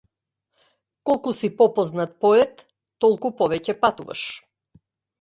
Колку си попознат поет толку повеќе патуваш.